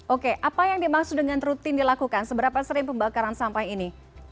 oke apa yang dimaksud dengan rutin dilakukan seberapa sering pembakaran sampah ini